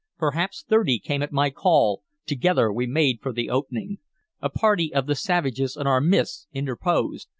Perhaps thirty came at my call; together we made for the opening. A party of the savages in our midst interposed.